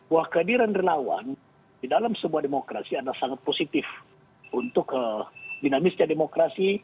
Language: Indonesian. wah kehadiran relawan di dalam sebuah demokrasi adalah sangat positif untuk dinamisnya demokrasi